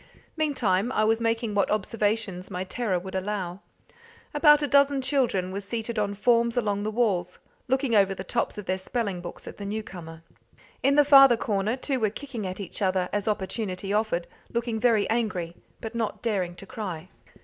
Meantime I was making what observations my terror would allow. About a dozen children were seated on forms along the walls, looking over the tops of their spelling books at the newcomer. In the farther corner two were kicking at each other as opportunity offered, looking very angry, but not daring to cry.